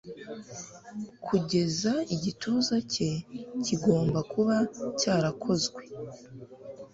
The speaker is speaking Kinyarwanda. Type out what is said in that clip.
Kugeza igituza cye kigomba kuba cyarakozwe